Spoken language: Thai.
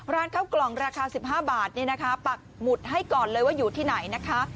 ร้านข้าวกล่องราคา๑๕บาทปักหมุดให้ก่อนเลยว่าอยู่ที่ไหนนะคะ